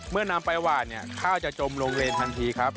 เมื่อน้ำไปหวานข้าวจะจมลงเวรทันทีครับ